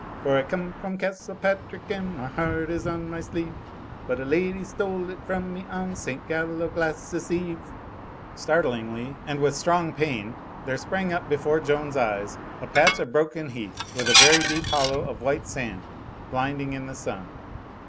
For I come from Castlepatrick and my heart is on my sleeve, But a lady stole it from me on St Gallowglass's Eve.'' uiymzeu uy ^j v^ *^^ iL 84 THE FLYING INN Startlingly and with strong pain there sprang up be fore Joan's eyes a patch of broken heath with a very deep hollow of white sand, blinding in the sun.